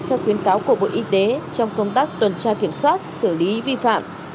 theo khuyến cáo của bộ y tế trong công tác tuần tra kiểm soát xử lý vi phạm